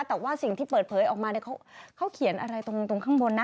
แต่ว่าสิ่งที่เปิดเผยออกมาเขาเขียนอะไรตรงข้างบนนะ